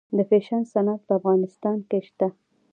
د فیشن صنعت په افغانستان کې شته؟